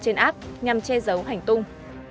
trên app nhằm che giấu hành tung